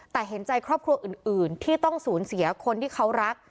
แต่เห็นใจครอบครัวอื่นที่ต้องสูญเสียคนที่เขารัก